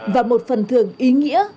và một phần thường ý nghĩa